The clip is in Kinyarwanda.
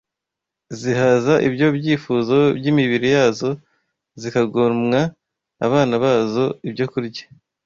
zihaza ibyo byifuzo by’imibiri yazo, zikagomwa abana bazo ibyokurya